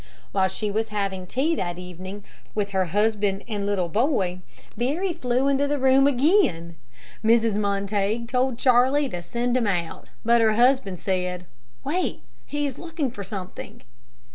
While she was having tea that evening, with her husband and little boy, Barry flew into the room again. Mrs. Montague told Charlie to send him out, but her husband said, "Wait, he is looking for something."